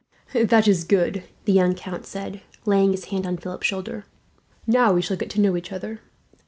"That is good," the young count said, laying his hand on Philip's shoulder; "now we shall get to know each other.